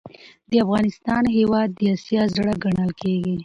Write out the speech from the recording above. دافغانستان هیواد د اسیا زړه ګڼل کیږي.